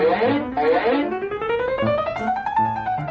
โอ้โหโอ้โหโอ้โห